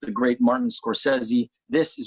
เพื่อทำงานกับ